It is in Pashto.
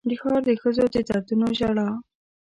د ښار د ښځو د دردونو ژړا